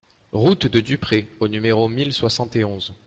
Route de Dupré au numéro mille soixante et onze